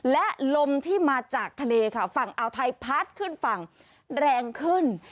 และลมที่มาจากทะเลค่ะฝั่งอ่าวไทยพัดขึ้นฝั่งแรงขึ้น